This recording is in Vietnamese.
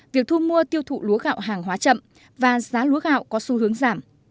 việc thu mua tiêu thụ lúa gạo hàng hóa chậm và giá lúa gạo có xu hướng giảm